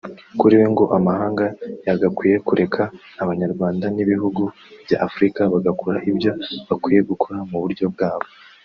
Kuri we ngo amahanga yagakwiye kureka abanyarwanda n’ibihugu bya Afurika bagakora ibyo bakwiriye gukora mu buryo bwabo